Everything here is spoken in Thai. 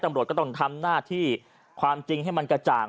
ตำรวจก็ต้องทำหน้าที่ความจริงให้มันกระจ่าง